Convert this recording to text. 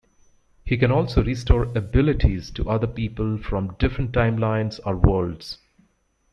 He can also restore abilities to other people from different timelines or worlds.